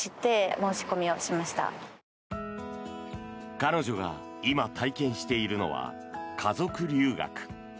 彼女が今、体験しているのは家族留学。